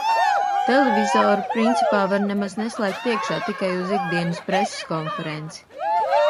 Televizoru principā var nemaz neslēgt iekšā, tikai uz ikdienas preses konferenci.